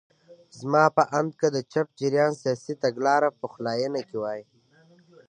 زما په اند که د چپ جریان سیاسي تګلاره پخلاینه کې وای.